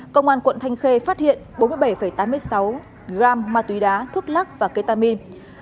công an quận thanh khê phát hiện bốn mươi bảy tám mươi sáu gram ma túy đá thuốc lắc và ketamin